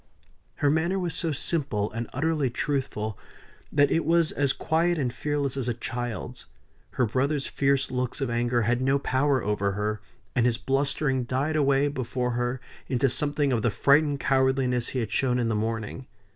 Her manner was so simple and utterly truthful, that it was as quiet and fearless as a child's; her brother's fierce looks of anger had no power over her; and his blustering died away before her into something of the frightened cowardliness he had shown in the morning.